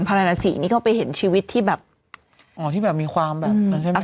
ภารสีนี่ก็ไปเห็นชีวิตที่แบบอ๋อที่แบบมีความแบบ